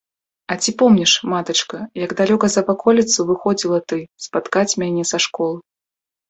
А ці помніш, матачка, як далёка за ваколіцу выходзіла ты спаткаць мяне са школы?